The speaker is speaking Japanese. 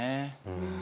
うん。